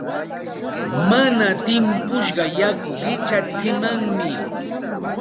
Mana timpushqa yaku qichatsimanmi.